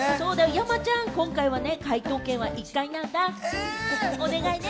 山ちゃん、今回は解答権は１回なんだ、お願いね。